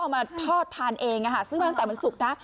เอามาทอดทานเองซื้อมาตั้งแต่วันศุกร์นะ